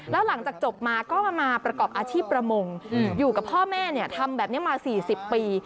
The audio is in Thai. แล้วหลังจากจบมาก็มาประกอบอาชีพประมงอยู่กับพ่อแม่ทำแบบนี้มา๔๐ปี